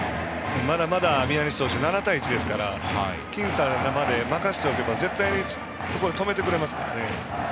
まだまだ宮西投手７対１ですから僅差まで任せておけば絶対に止めてくれますからね。